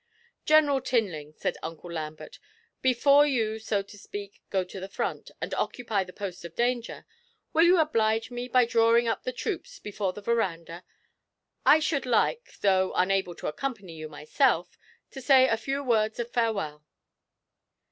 'General Tinling,' said Uncle Lambert, 'before you, so to speak, "go to the front" and occupy the post of danger, will you oblige me by drawing up the troops before the verandah? I should like, though unable to accompany you myself, to say a few words of farewell.'